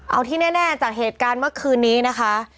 เอาที่แน่จากเหตุการณ์เมื่อคืนนี้นะคะ